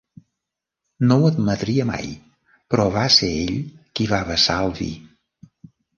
No ho admetria mai, però va ser ell qui va vessar el vi.